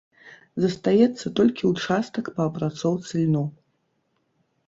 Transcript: Застаецца толькі ўчастак па апрацоўцы льну.